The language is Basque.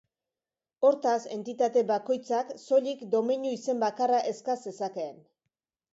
Hortaz, entitate bakoitzak soilik domeinu-izen bakarra eska zezakeen.